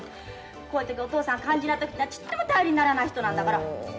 こういう時お父さん肝心な時にはちっとも頼りにならない人なんだから。